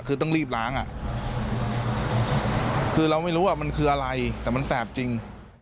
คือต้องรีบล้างอ่ะคือเราไม่รู้ว่ามันคืออะไรแต่มันแสบจริง